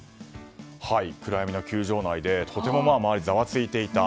暗闇の球場内はとてもざわついていた。